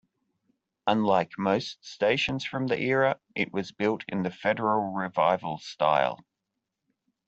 Unlike most stations from the era, it was built in the Federal Revival style.